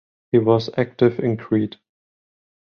He was active in Crete.